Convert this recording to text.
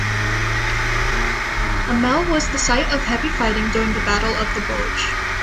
Amel was the site of heavy fighting during the Battle of the Bulge.